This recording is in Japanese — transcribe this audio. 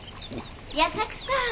矢作さん